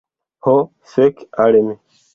Ho fek' al mi